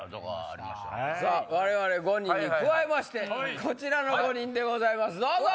我々５人に加えましてこちらの５人でございますどうぞ！